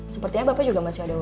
sepertinya bapak juga masih ada